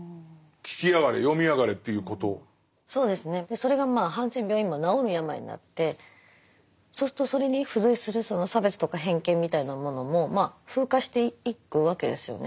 それがまあハンセン病は今治る病になってそうするとそれに付随するその差別とか偏見みたいなものもまあ風化していくわけですよね。